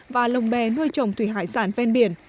và lồng bè nuôi trồng thủy hải sản ven biển